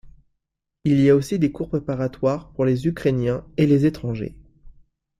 Il y a aussi des cours préparatoires pour les ukrainiens et les étrangers.